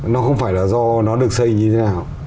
nó không phải là do nó được xây như thế nào